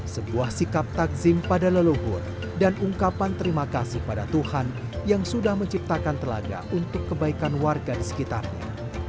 sebuah sikap takzim pada leluhur dan ungkapan terima kasih pada tuhan yang sudah menciptakan telaga untuk kebaikan warga di sekitarnya